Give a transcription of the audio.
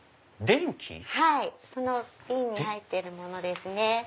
その瓶に入ってるものですね。